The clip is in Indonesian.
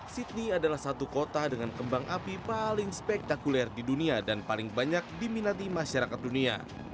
sydney adalah satu kota dengan kembang api paling spektakuler di dunia dan paling banyak diminati masyarakat dunia